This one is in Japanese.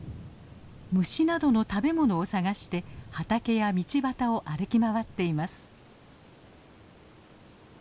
虫などの食べ物を探して畑や道端を歩き回っています。